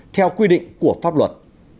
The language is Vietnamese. theo quy định của pháp luật